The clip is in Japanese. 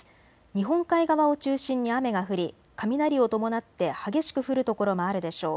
日本海側を中心に雨が降り雷を伴って激しく降る所もあるでしょう。